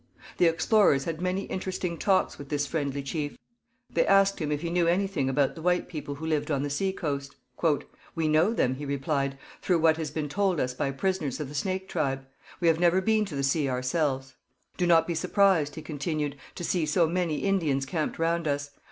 The explorers had many interesting talks with this friendly chief. They asked him if he knew anything about the white people who lived on the sea coast. 'We know them,' he replied, 'through what has been told us by prisoners of the Snake tribe. We have never been to the sea ourselves.' 'Do not be surprised,' he continued, 'to see so many Indians camped round us.